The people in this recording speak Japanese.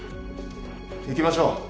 行きましょう。